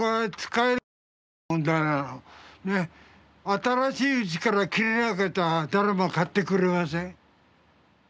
新しいうちから切れなかったら誰も買ってくれません。